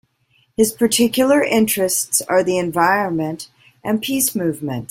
His particular interests are the environment and peace movements.